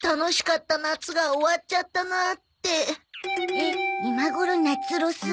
えっ今頃夏ロス？